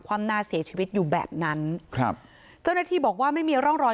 ความหน้าเสียชีวิตอยู่แบบนั้นครับเจ้าหน้าที่บอกว่าไม่มีร่องรอย